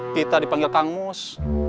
kita dipanggil kang mus